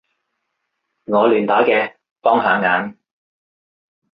我亂打嘅，幫下眼